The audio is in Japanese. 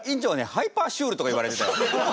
ハイパーシュールとか言われるから。